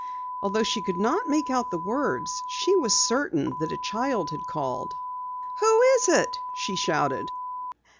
Although she could not make out the words, she was certain that a child had called. "Who is it?" she shouted.